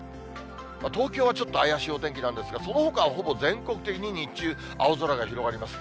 東京はちょっと怪しいお天気なんですが、そのほかはほぼ全国的に、日中、青空が広がります。